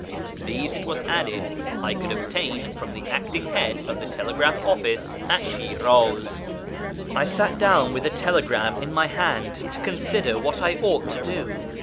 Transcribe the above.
These, it was added, I could obtain from the acting head of the telegraph office at Shiraz. I sat down with the telegram in my hand to consider what I ought to do.